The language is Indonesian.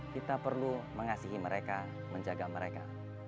kita perlu mengasihi mereka menjaga mereka